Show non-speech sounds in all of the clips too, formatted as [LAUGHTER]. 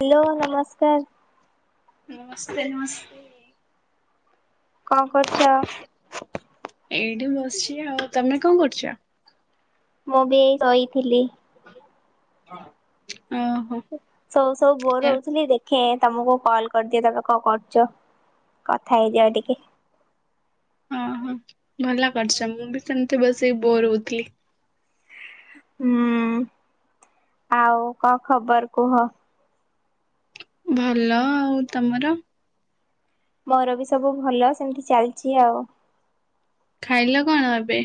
Hello ନମସ୍କାର । ନମସ୍ତେ ନମସ୍ତେ। କଣ କରୁଚ? ଏଇଠି ବସିଛି ଆଉ ତମେ କଣ କରୁଛ? ମୁଁ ବି କହିଥିଲି ହଁ। ସବୁ ସବୁ ଭୋର ହଉଥିଲି ଦେଖ ତମକୁ କଲ କରିଦିଏ ତମେ କଣ କରୁଛ କଥା ହେଇଦିଏ ଆଉ ଟିକେ ଓହୋ। ଭଲ କରିଛ ମୁଁ ବି ସେମିତି ବସିକି ବୋର ହଉଥିଲି। ହୁଁ ଆଉ କଣ ଖବର କୁହ? ଭଲ ଆଉ ତମର? ମୋର ବି ସବୁ ଭଲ ସେମିତି ଚାଲିଛି ଆଉ । ଖାଇଲ କଣ ଏବେ?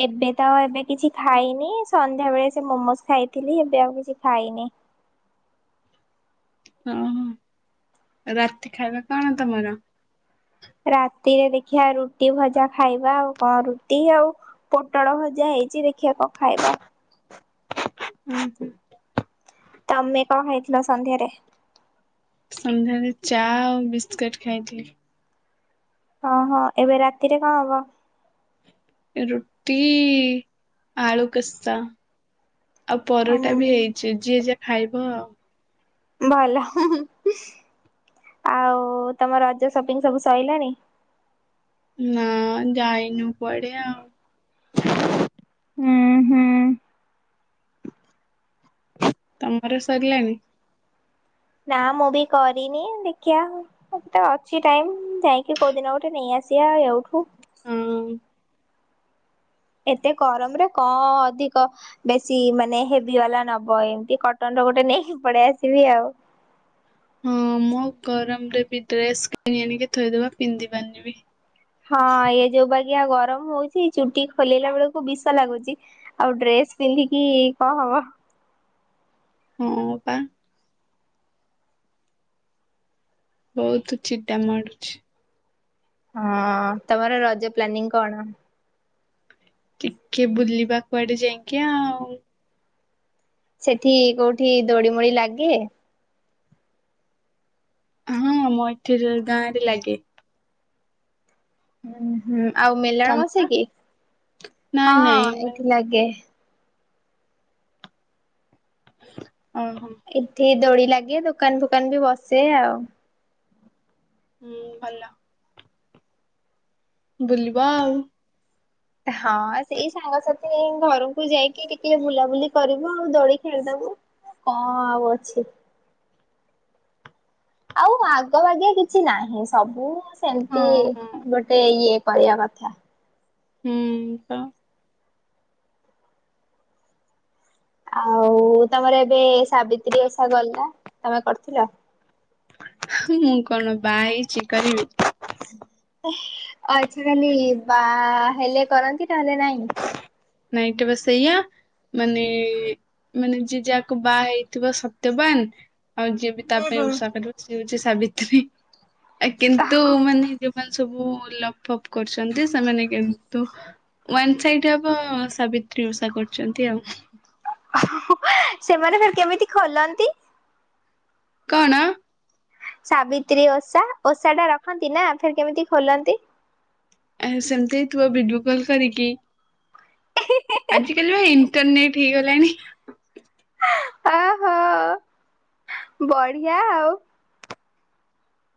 ଏବେ ତ ଏବେ କିଛି ଖାଇନି ସନ୍ଧ୍ୟାବେଳେ ସେ ମୋମୋଜ ଖାଇଥିଲି ଏବେ ଆଉ କିଛି ଖାଇନି। ଓହୋ ରାତି ଖାଇବା କଣ ତମର? ରାତିରେ ଦେଖିବା ରୁଟି ଭଜା ଖାଇବା ଆଉ କଣ ରୁଟି ଆଉ ପୋଟଳ ଭଜା ହେଇଛି ଦେଖିବା କଣ ଖାଇବା। ହୁଁ ହୁଁ। ତମେ କଣ ଖାଇଥିଲ ସନ୍ଧ୍ୟାରେ? ସନ୍ଧ୍ୟାରେ ଚା ଆଉ ବିସ୍କୁଟ ଖାଇଥିଲି । ହଁ ହଁ ଏବେ ରାତିରେ କଣ ହବ? ରୁଟି ଆଳୁ କଷା। ଆଉ ପରଟା ବି ହୁଁ ହେଇଛି ଯିଏ ଯାହା ଖାଇବ ଆଉ। ଭଲ ଆଉ ତମ ରଜ ସପିଙ୍ଗ ସବୁ ସଇଲାଣି? ନା ଯାଇନୁ ପଢ଼ିଆ ଆଉ। ହୁଁ ହୁଁ। ତମର ସରିଲାଣି? ନା ମୁଁ ବି କରିନି ଦେଖିବା ଆଉ ତ ଅଛି ଟାଇମ ଯାଇକି କୋଉ ଦିନ ଗୋଟେ ନେଇ ଆସିବା ଏଇଠୁ ହଁ ଏତେ ଗରମରେ କଣ ଅଧିକ ବେଶୀ ମାନେ ହେଭି ବାଲା ନବ ଏମିତି କଟନ ର ଗୋଟେ ନେଇକି ପଡେଇ ଆସିବି ଆଉ। ହଁ ମୋ ଗରମ ରେ ବି ଡ୍ରେସ କିଣି ଆଣିକି ଥୋଇଦବା ପିନ୍ଧି ପାରନି ବି ହଁ ଏ ଯୋଉ ପାଳି ଅଧିକା ଗରମ ହଉଛି ଚୁଟି ଖୋଲିଲା ବେଳକୁ ବିଷ ଲାଗୁଛି ଆଉ ଡ୍ରେସ ପିନ୍ଧିକି କଣ ହବ। ହଁ ପା। ବହୁତ ଚିଡା ମାଡୁଛି । ହଁ ତମର ରଜ ପ୍ଲାନିଂ କଣ? ଟିକେ ବୁଲିବା କୁଆଡେ ଯାଇକି ଆଉ । ସେଠି କୋଉଠି ଦୋଡି ମୋଡି ଲାଗେ। ହଁ ମୋ ଏଠି ଗାଁ ରେ ଲାଗେ। ହୁଁ ହୁଁ। ଆଉ ମିଲଣ ତମର? ବସିକି ନାଇଁ ନାଇଁ ହଁ ମାନେ ଏଠି ଲାଗେ। [INAUDIBLE] ଏଠେ ଦୌଡ଼ି ଲାଗେ ଦୋକାନ ଫୋକାନ ବି ବସେ ଆଉ। ହୁଁ ଭଲ। ବୁଲିବ ଆଉ। ହଁ ସେଇ ସାଙ୍ଗସାଥି ଘରକୁ ଯାଇକି ଟିକେ ବୁଲାବୁଲି କରିବୁ ଆଉ ଦୋଳି ଖେଳିଦବୁ କଣ ଆଉ ଅଛି। ଆଉ ଆଗ ବାଗେ କିଛି ନାହିଁ ସବୁ ସେମତି ହଁ ହଁ। ଗୋଟେ ଇଏ ପରିବା କଥା। ହୁଁ ତ ଆଉ ତମର ଏବେ ସାବିତ୍ରୀ ଓଷା ଗଲା ତମେ କରିଥିଲ। ମୁଁ କଣ ବାହା ହେଇଛି କରିବି। ଆ୍ଛା ଖାଲି ବା ହେଲେ କରନ୍ତି ନହେଲେ ନାଇଁ। ନାଇଁ କେବେ ସେଇଆ ମାନେ ମାନେ ଯିଏ ଯାହାକୁ ବାହା ହେଇଥିବ ସତ୍ୟବାନ। ଆଉ ଯିଏ ବି ତା ହୁଁ ପାଇଁ ହୁଁ। ଉଷା କରିବ ସେ ହଉଛି। ସାବିତ୍ରୀ। ଆ କିନ୍ତୁ ମାନେ ଯୋଉ ସବୁ ଲପ ଅପ କରୁଛନ୍ତି ସେମାନେ କିନ୍ତୁ ୱନ୍ ସାଇଡ ହବ ସାବିତ୍ରୀ ଉଷା କରୁଛନ୍ତି ଆଉ। ସେମାନେ ଫର କେମିତି ଖୋଲନ୍ତି। କଣ ସାବିତ୍ରୀ ଓଷା ଓଷା ଟା ରଖନ୍ତି ନା ଫିର କେମିତି ଖୋଲନ୍ତି। ଆ ସେମତି ହେଇଥିବ ଭିଡିଓ କଲ କରିକି। ଆଜି କାଲି ଭ ଏନ କ ଠିକ ହେଲାଣି। ଓହୋ ବଢିଆ ଆଉ।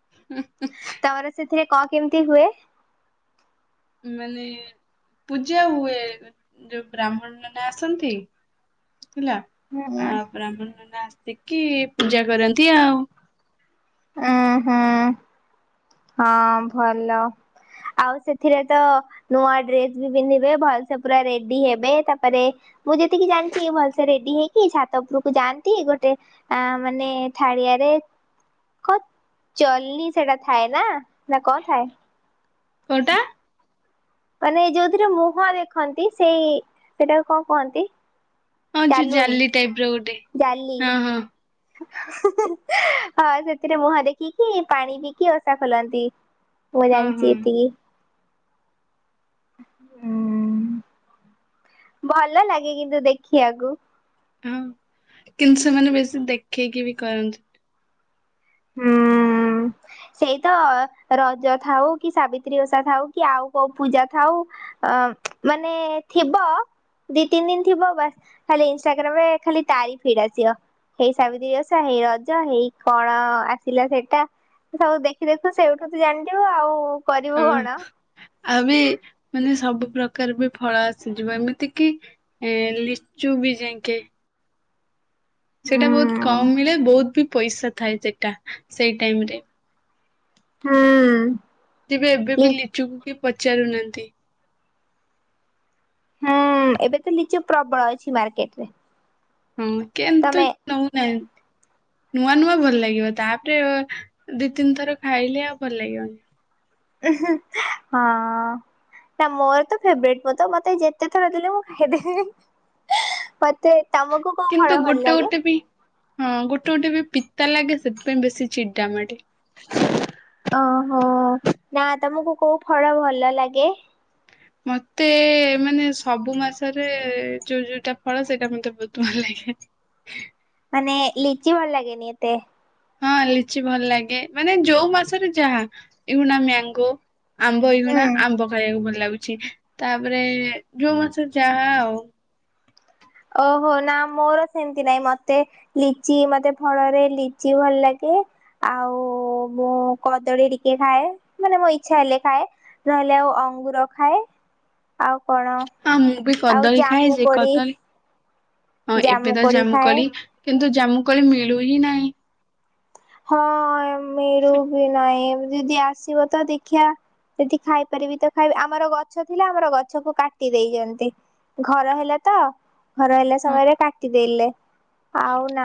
[INAUDIBLE] ଥିରେ କ କେମିତି ହୁଏ। ମାନେ ପୂଜା ହୁଏ ଯୋଉ ବ୍ରାହ୍ମଣ ମାନେ ଆସନ୍ତି। ଥିଲା ହୁଁ ଆ ବ୍ରାହଣ ନାସତିକି ପୂଜା କରନ୍ତି ଆଉ। ଉଁ ହୁଁ ହଁ ଭଲ ଆଉ ସେଥିରେ ତ ନୂଆ ଡ୍ରେସ ବି ପିନ୍ଧିବେ ଭଲସେ ପୁରା ରେଡି ହେବେ ତାପରେ ମୁଁ ଯେତିକି ଜାଣିଛି ଭଲସେ ରେଡି ହେଇକି ଛାତ ଉପୁରକୁ ଯାଆନ୍ତି ଗୋଟେ ମାନେ ଥାଳିଆରେ କ ଜଲ୍ନ ସେଟା ଥାଏ ନା ନା କଣ ଥାଏ। କୋଟା। ମାନେ ଯୋଉଥିରେ ମୁହଁ ଦେଖନ୍ତି ସେଇ ସେଟା କଣ କୁହନ୍ତି। ହଁ ଯୋଉ ଚାଲୁଣି ଜାଲି ଟାଇପ ର ଗୋଟେ ଜାଲି ହଁ ହଁ। ହଁ ସେଥିରେ ମୁହଁ ଦେଖିକି ପାଣି ପିଇକି ଓଷା ଖୋଲନ୍ତି। ମୁ ହଁ ହଁ ଜାଣିଛି ଏତିକି। ହ ଭଲ ଲାଗେ କିନ୍ତୁ ଦେଖିବାକୁ। ହଁ କିନ୍ତୁ ସେମାନେ ବେଶୀ ଦେଖେଇକି ବି କରନ୍ତିନି। ହୁଁ ସେଇ ତ ରଜ ଥାଉ କି ସାବିତ୍ରୀ ଓଷା ଥାଉ କି ଆଉ କୋଉ ପୂଜା ଥାଉ ଅ ମାନେ ଥିବ ଦି ତିନି ଦିନ ଥିବ ବା ଖାଲି ଇନଷ୍ଟାଗ୍ରାମ ରେ ଖାଲି ତାରି ଫିଡ ଆସିବ, ହେଇ ସାବିତ୍ରୀ ଓଷା, ହେଇ ରଜ, ହେଇ କଣ। ଆସିଲା ସେଇଟା ସବୁ ଦେଖି ଦେଖୁ ସେଇଠୁ ତ ଜାଣିିଜିବୁ ଆଉ। କରିବୁ ହଁ କଣ? ଆଉ ବି ମାନେ ସବୁ। ସବୁ ପ୍ରକାର ବି ଫଳ ଆସିଯିବ ଏମିତି କିି ଏ ଲିଚୁ ବି ଯାଇକି। ହୁଁ ସେଇଟା ବହୁତ କମ ମିଳେ ବହୁତ ବି। ପଇସା ଥାଏ ସେଟା ସେଇ ଟାଇମ ରେ। ହୁଁ ବେ ଏବେ ଲି ବି ଲିଚୁକୁ ବି। ପଚାରୁନାହାନ୍ତି। ହୁଁ ଏବେ ତ ଲିଚୁ ପ୍ରବଳ ଅଛି ମାର୍କେଟ ରେ। ହଁ କେନ୍ତୁ ନଉନାହାନ୍ତି। ନୂଆ ନୂଆ ଭଲ ଲାଗିବ ତାପରେ ଦି ତିନି ଥର ଖାଇଲେ ଆଉ ଭଲ ଲାଗିବନି। ହଁ ନା ମୋର ତ ଫେବ୍ରେଟ, ମୁଁ ତ ମତେ ଯେତେ ଥର ଦେଲି ମୁଁ ଖାଇଦେବି, ମତେ। ତମକୁ କୋଉ ଫଳ କିନ୍ତୁ ଭଲ ଗୋଟେ ଲାଗେ? ଗୋଟେ ବି ହଁ ଗୋ ଟେ ବି ପିତା ଲାଗେ ସେଥିପାଇଁ ବେଶୀ ଚିଡ଼ା ମାଡେ। ଓହୋ ନା ତମକୁ କୋଉ ଫଳ ଭଲ ଲାଗେ? ମତେ ମାନେ ସବୁ ମାସରେ ଯୋଉ ଯୋଉଟା ଫଳ ସେଇଟା ମତେ ବହୁତ ଭଲ ଲାଗେ । ମାନେ ଲିଚି ଭଲ ଲାଗେନି ଏତେ? ହଁ ଲିଚି ଭଲ ଲାଗେ ମାନେ ଯୋଉ ମାସରେ ଯାହା, ଏଇଖଣା ମ୍ୟାଙ୍ଗୋ। ଆମ୍ବ ହୁଁ ଇଗୁଣା ଆମ୍ବ ଖାଇବାକୁ ଭଲ ଲାଗୁ ଛି ତାପରେ ଯୋଉ ମାସରେ ଯାହା ଆଉ। ଓହୋ ନା ମୋର ସେମିତି ନାହିଁ ମତେ ଲିଚି ମତେ ଫଳରେ ଲିଚି ଭଲ ଲାଗେ ଆଉ ମୁଁ କଦଳୀ ଟିକେ ଖାଏ ମାନେ ମୋ ଇଛା ହେଲେ ଖାଏ ନହେଲେ ଆଉ ଅଙ୍ଗୁର ଖାଏ। ଆଉ କଣ ହଁ ମୁଁ ବି ଆଉ କଦଳୀ ଖାଇ ଜାମୁ ଯେ କୋଳି କଦଳୀ। ହଁ ଏବେ ତ କୋଳି ଜାମୁ ଖାଏ। କଲି କିନ୍ତୁ ଯା ଜାମୁ କୋଳି ମିଳୁ ହିଁ ନାହିଁ। ହଁ ମିରୁ ଭି ନାହିଁ। ଯଦି ଆସିବ ତ ଦେଖିବା ସେଠି ଖାଇପାରିବି ତ ଖାଇବି, ଆମର ଗଛ ଥିଲା ଆମର ଗଛକୁ କାଟି ଦେଇଛନ୍ତି, ଘର ହେଲା ତ। ଘର ହେଲା ହଁ ସମୟରେ କାଟିଦଲେ।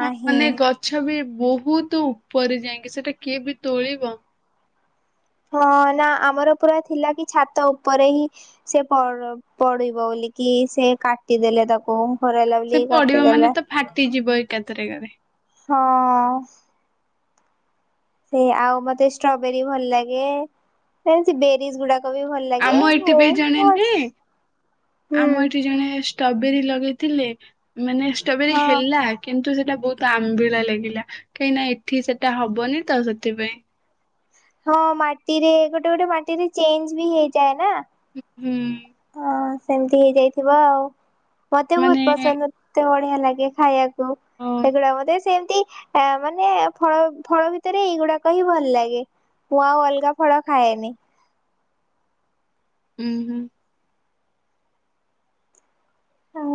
ହଁ ମାନେ ଗଛ ବି। ବହୁତ ଉପରେ ଯାଇକି ସେଟା କିଏ ବି ତୋଳିବ। ହଁ ନା ଆମର ପୁରା ଥିଲା କି ଛାତ ଉପରେ ହିଁ ସେ ପଡ଼ ପଡିବ ବୋଲିକି ସେ କାଟିଦେଲେ ତାକୁ। ଘର ହେଲା ସେ ବୋଲି ପଡିବ ମାନେ କାଟିଦେଲେ। ତ ଫାଟିଯିବ। କେତେରେଖରେ। ହଁ। ସେ ଆଉ ମତେ ଷ୍ଟ୍ରବେରୀ ଭଲ ଲାଗେ ବେରି ଗୁଡା ଆମ ଏଠି ବି ଜଣେ ନୁହେ ହୁଁ ଆମ ଏଠି ଜଣେ ଷ୍ଟ୍ରବେରୀ ଲଗେଇଥିଲେ। ମାନେ ଷ୍ଟ୍ରବେରୀ ହଁ ହେଲା କିନ୍ତୁ ସେ ସେଟା ବହୁତ ଆମ୍ବିଳା ଲାଗିଲା କାହିଁକିନା ଏଠି ସେଟା ହବନି ତ ସେଥିପାଇଁ। ହଁ ମାଟିରେ ଗୋଟେ ଗୋଟେ ମାଟିରେ ଚେଞ୍ଜ ବି ହେଇଯାଏ ନା। ହୁଁ। ହଁ। ସେମତି ହେଇଯାଇଥିବ ଆଉ। ମତେ ବହୁତ ମାନେ ପସନ୍ଦ ଢିଆ ଲାଗେ ଖାଇଵାକୁ। ଅ ଉଁ ହେଇଥିଲା ବୋଧେ ସେମତି ମାନେ ଫଳ ଫଳ ଭିତରେ ଏଇଗୁଡାକ ହିଁ ଭଲ ଲାଗେ ମୁଁ ଆଉ ଅଲଗା ଫଳ ଖାଏନି। ହୁଁ ହୁଁ। ହ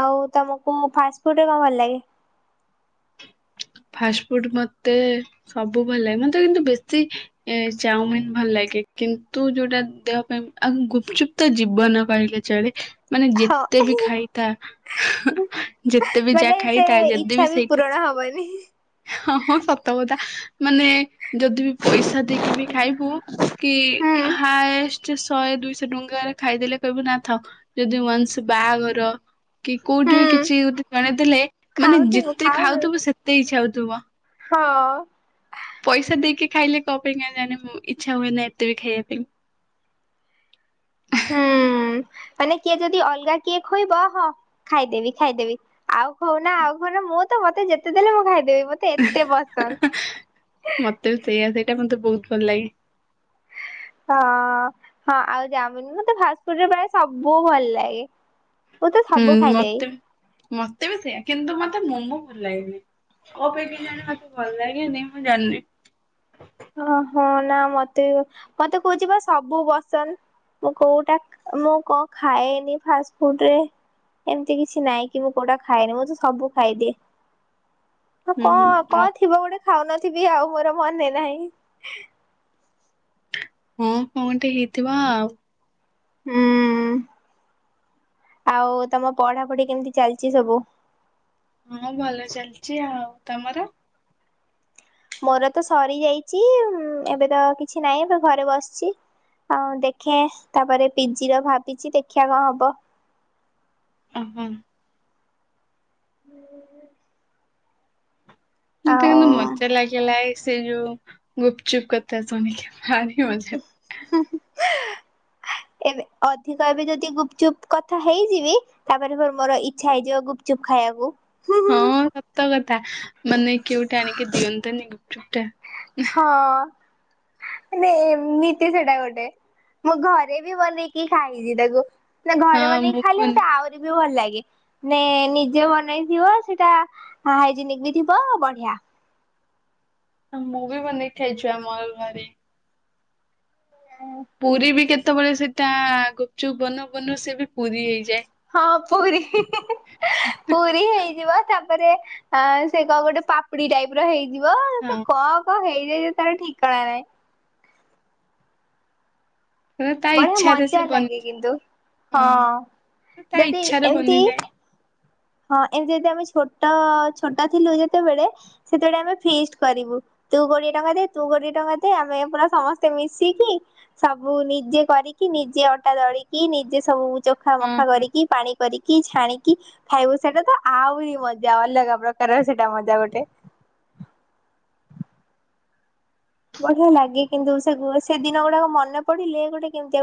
ଆଉ ତମକୁ ଫାଷ୍ଟ୍ଟ ଫୁଡରେ କଣ ଭଲ ଲାଗେ? ଫାଷ୍ଟ ଫୁଡ ମତେ ସବୁ ଭଲ ଲାଗେ ମତେ କିନ୍ତୁ ବେଶୀ ଏ ଚାଉମିିନ ଭଲ ଲାଗେ କିନ୍ତୁ ଯୋଉଟା ଦେହ ପାଇଁ ଆଉ ଗୁପଚୁପ୍ତ ଜୀବନ କହିଲେ ଚଳେ। ମାନେ ହଁ ଯେତେ ବି ଖାଇଥା ଯେତେ ବି ଯା ମାନେ ସେ ଖାଇଥା ଇଚ୍ଛା ଯେଦେବ ବି ସେଇଟା ପୂରଣ ହବନି ହଁ ହଁ ସତ କଥା ମାନେ ଯଦି ବି ପଇସା ଦେଇକି ବି ଖାଇବୁ କି ହୁଁ ହଏ ସେ ଶହେ ଦୁଇଶହ ଟଙ୍କାରେ ଖାଇଦେଲେ କହିବି ନଥାଉ ଯଦି ମଂଷ ବାହାଘର କି କୋଉଠି ବି ହୁଁ। କିଛି ଜଣେଇଦେଲେ ମାନେ ଖାଉଥିବୁ ଯେତେ ଖାଉଛୁ ଖାଉଥିବୁ ସେତେ ତୁବ ହଁ। ପଇସା ଦେଇକି ଖାଇଲେ କଣ ପାଇଁ ଜାଣେ ମୁ ଇଚ୍ଛା ହୁଏ ନା ଏତେ ବି ଖାଇବା ପାଇଁ। ହୁଁ। ମାନେ କିଏ ଯଦି ଅଲଗା କିଏ ଖୋଇବ ହଁ ଖାଇଦେବି ଖାଇଦେବି ଆଉ ଖଉନା ଆଉ ଖାଉନା ମୁଁ ତ ମତେ ଯେତେ ଦେଲେ ମୁଁ ଖାଇଦେବି। ମତେ ଏତେ ପସନ୍ଦ। ଏଇଟା ମତେ ବହୁତ ଭଲ ଲାଗେ। ହଁ ହଁ ଆଉ ଜାମୁନ ମତେ ଫାଷ୍ଟଫୁଡରେ ପ୍ରାୟ ସବୁ ଭଲ ଲାଗେ। ମୁଁ ତ ହୁଁ ସବୁ ଖାଇଦେବି। ମତେ ବି ମତେ ବି ସେଇଆା କିନ୍ତୁ ମତେ ମତେ ମୋମୋ ଭଲ ଲାଗନି କୋ ପାଇଁକ ଜାଣ ମତେ ଭଲ ଲାଗେନି ମୁଁ ଜାଣିନି। ହ ହଁ ନା ମତେ ମତେ କହୁଛି ବା ସବୁ ପସନ୍ଦ ମୁଁ କୋଉଟା ମୁଁ କଣ ଖାଏନି ଫାଷ୍ଟ ଫୁଡରେ ଏମିତି କିଛି ନାଇଁ କି ମୁଁ କୋଉଟା ଖାଏନି ମୁଁ ତ ସବୁ ଖାଇଦିଏ। ହୁଁ କଣ ହୁଁ କଣ ଥିବ ଗୋଟେ ଖାଉନଥିବି ଆଉ ମୋର ମନେ ନାହିଁ। [UNINTELLIGIBLE] ହଁ କଣ ଗୋଟେ ହେଇଥିବ ଆଉ। ହୁଁ ଆଉ ତମ ପଢାପଢି କେମିତି ଚାଲିଛି ସବୁ? ହଁ ଭଲ ଚାଲିଛି ଆଉ ତମର? ମୋର ତ ସରି ଯାଇଚି ଏବେ ତ କିଛି ନାହିଁ ଏ ଘରେ ବସିଛି ଆଉ ଦେଖେ ତାପରେ ପିଜିର ଭାବିଚି ଦେଖିବା କଣ ହବ। ହଁ ମତେ କିନ୍ତୁ ଆଉ ମଜା ଲାଗିଲା ସେ ଯୋଉ ଗୁପଚୁପ୍ କଥା ଶୁଣିକି ଭାରି ମଜାକ ଏବେ ଅଧିକ ଏବେ ଯଦି ଗୁପଚୁପ୍ କଥା ହେଇଯିବି ତାପରେ ଫେରେ ମୋର ଇଚ୍ଛା ହେଇଯିବ ଗୁପଚୁପ୍ ଖାଇବାକୁ ହୁଁ ହୁଁ ହୁଁ ତା ମାନେ କିଏ ଗୋଟେ ଆଣିକି ଦିଅନ୍ତାନି ଗୁପଚୁପ୍ ଟା। ହଁ ନାଇ ଏମିତି ସେଟା ଗୋଟେ ମୁଁ ଘରେ ବି ବନେଇକି ଖାଇଚି ତାକୁ ନା ଘରେ ହଁ ବନେଇକି ମୁଁ ବି ଖାଇଲେ ମତେ ବନେଇ ଆହୁରି ବି ଭଲ ଲାଗେ। ନେ ନିଜେ ବନେଇଥିବ ସେଟା ହାଇଜେନିକ ବି ଥିବ ବଢିଆ। ମୁଁ ବି ବନେଇକି ଖାଇଚୁ ଆମର ଘରେ। ପୁରୀବି କେ କେତେବେଳେ ସେଟା ଗୁପଚୁପ ବନଉ ବନଉ ସେ ବି ପୁରୀ ହେଇ ହଁ ପୁରୀ ପୁରୀ ହେଇଯିବ। ତାପରେ ଆ ସେ କଣ ଗୋଟେ ପାପୁଡି ଟାଇପର ହେଇ ଥିବ ସେ କଣ କଣ ହେଇ ହେଇ ତାର ଠିକଣା ନାଇଁ। ହଁ ତା ବଢିଆ ଇଚ୍ଛାରେ ସେ ମଜା ବନି ଲାଗେ କିନ୍ତୁ ହଁ ହଁ ତା ଯଦି ଇଚ୍ଛାରେ ଏମିତି ବନିଯାଏ ହଁ ହଁ ଏମିତି ଯଦି ଆମେ ଛୋଟ ଛୋଟ ଥିଲୁ ଯେତେବେଳେ ସେତେବେଳେ ଆମେ ଫିଷ୍ଟ କରିବୁ ତୁ କୋଡିଏ ଟଙ୍କା ଦେ ତୁ କୋଡିଏ ଟଙ୍କା ଦେ ଆମେ ପୁରା ସମସ୍ତେ ମିଶିକି ସବୁ ନିଜେ କରିକି ନିଜେ ଅଟା ଦଳିକି ନିଜେ ସବୁ। ଚୋଖା ମଖା ହଁ। କରିକି ପାଣି କରିକି ଛାଣିକି ଖାଇବୁ ସେଟା ତ ଆହୁରି ମଜା ଅଲଗା ପ୍ରକାରର ସେଟା ମଜା ଗୋଟେ। ବଢିଆ ଲାଗେ କିନ୍ତୁ ସେ ଗୁଅ ସେଦିନ ଗୁଡାକ ମନେ ପଡିଲେ ଗୋଟେ କେମିତିଆ ଗୋ